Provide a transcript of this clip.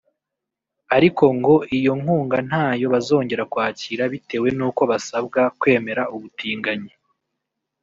ariko ngo iyo nkunga ntayo bazongera kwakira bitewe n’uko basabwa kwemera ubutinganyi